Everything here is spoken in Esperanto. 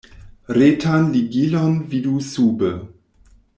Retan ligilon vidu sube.